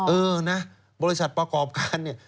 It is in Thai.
เออนะบริษัทประกอบการเนี่ย